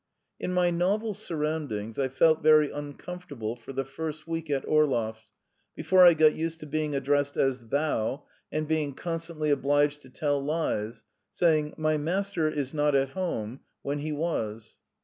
In my novel surroundings I felt very uncomfortable for the first week at Orlov's before I got used to being addressed as "thou," and being constantly obliged to tell lies (saying "My master is not at home" when he was).